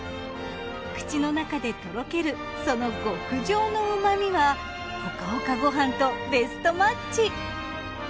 口の中でとろけるその極上の旨みはほかほかご飯とベストマッチ。